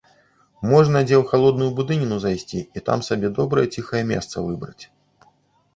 Можна дзе ў халодную будыніну зайсці і там сабе добрае ціхае месца выбраць.